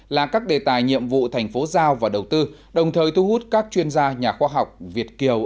là các đề tài nhiệm vụ thành phố giao và đầu tư đồng thời thu hút các chuyên gia nhà khoa học việt kiều